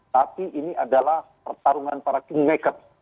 tapi ini adalah pertarungan para kingmaker